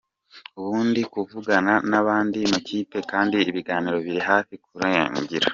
Ubu ndi kuvugana n’andi makipe kandi ibiganiro biri hafi kurangira.